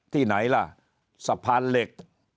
ที่ไหนล่ะสะพานเหล็ก